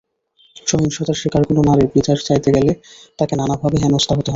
সহিংসতার শিকার কোনো নারী বিচার চাইতে গেলে তাঁকে নানাভাবে হেনস্তা হতে হয়।